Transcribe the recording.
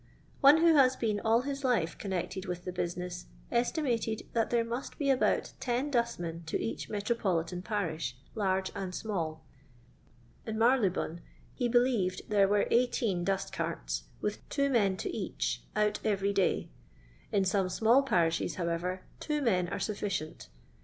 One who has been all his life connected with the business estimated that there must be about ten dustmen to each metropolitan parish, large and small. In Marylebone he believed there were eighteen dustcarts, with two men to each, out every day ; in some small parishes, however, two men are sufficient.